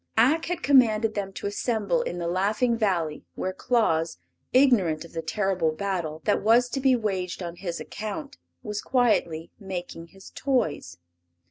Ak had commanded them to assemble in the Laughing Valley, where Claus, ignorant of the terrible battle that was to be waged on his account, was quietly making his toys.